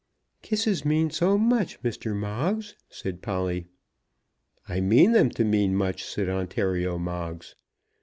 "Kisses mean so much, Mr. Moggs," said Polly. "I mean them to mean much," said Ontario Moggs.